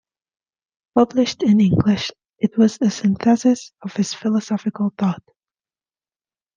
Published in English, it was a synthesis of his philosophical thought.